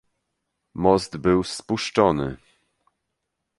"Most był spuszczony."